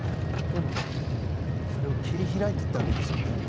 でもそれを切り開いていったわけですよね。